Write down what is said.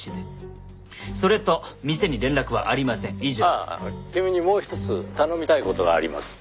「ああ君にもうひとつ頼みたい事があります」